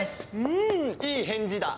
うんいい返事だ